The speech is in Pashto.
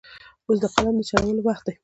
اوس د قلم د چلولو وخت دی.